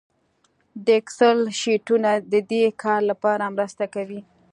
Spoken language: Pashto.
د اکسل شیټونه د دې کار لپاره مرسته کوي